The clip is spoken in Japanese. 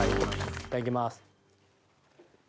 いただきます。